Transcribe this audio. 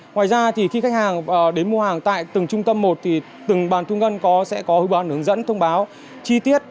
ngoài ra thì khi khách hàng đến mua hàng tại từng trung tâm một thì từng bàn thu ngân sẽ có hướng dẫn thông báo chi tiết